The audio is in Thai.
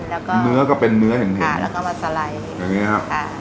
แล้วก็เนื้อก็เป็นเนื้ออย่างดีค่ะแล้วก็มาสไลด์อย่างนี้ครับค่ะ